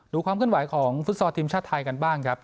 ดูความขึ้นหวายของฟุตซอทีมชาติไทยกันบ้างครับ